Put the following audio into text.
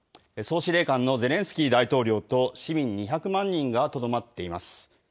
総司令官のゼレンスキー大統領と市民２００万人がとどまっています。